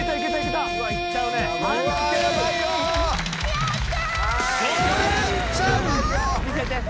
やった！